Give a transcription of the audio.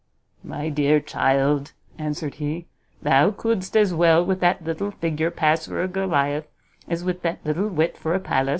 "My dear child," answered he, "thou couldst as well with that little figure pass for a Goliath, as with that little wit for a Pallas."